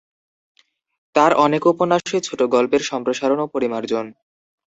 তাঁর অনেক উপন্যাসই ছোটগল্পের সম্প্রসারণ ও পরিমার্জন।